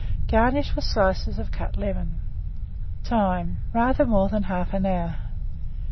Garnish with slices of cut lemon. Time. Rather more than 1/2 hour.